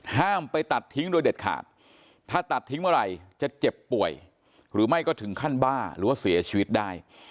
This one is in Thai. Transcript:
ห้ามไปตัดทิ้งโดยเด็ดขาดถ้าตัดทิ้งเมื่อไหร่จะเจ็บป่วยหรือไม่ก็ถึงขั้นบ้าหรือว่าเสียชีวิตได้